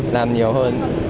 làm nhiều hơn